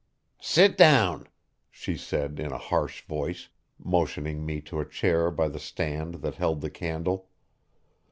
"Sit down," she said in a harsh voice, motioning me to a chair by the stand that held the candle.